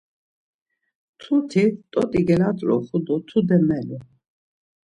Mtuti t̆ot̆i gelatroxu do tude melu.